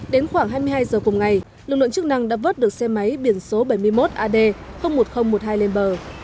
đến khoảng hai mươi hai giờ cùng ngày lực lượng chức năng đã vớt được xe máy biển số bảy mươi một ad một nghìn một mươi hai lên bờ